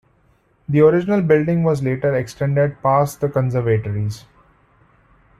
The original building was later extended past the conservatories.